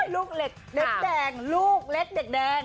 ลูกเหล็กแดงลูกเล็กเด็กแดง